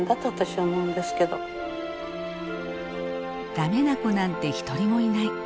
ダメな子なんて一人もいない。